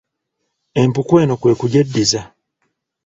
Empuku eno kwe kugyeddiza